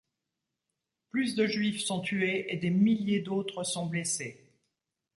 Plus de juifs sont tués et des milliers d'autres sont blessés.